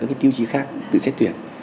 các tiêu chí khác tự xét tuyển